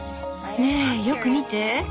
ねえよく見て！